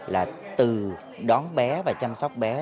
là từ đón bé và chăm sóc bé